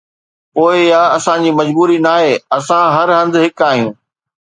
پوءِ اها اسان جي مجبوري ناهي، اسان هر هنڌ هڪ آهيون.